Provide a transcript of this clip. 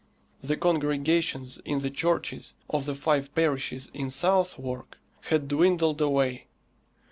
The congregations in the churches of the five parishes in Southwark had dwindled away.